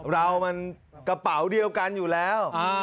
เรามันกระเป๋าเดียวกันอยู่แล้ว